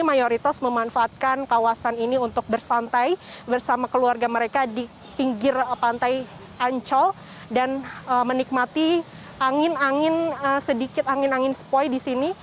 mayoritas memanfaatkan kawasan ini untuk bersantai bersama keluarga mereka di pinggir pantai ancol dan menikmati angin angin sedikit angin angin sepoi di sini